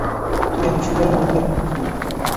তুমি এখন সুন্দর আর মজবুত এক ফুল।